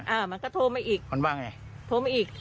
อ่ามันก็โทรมาอีกมันว่าไงโทรมาอีก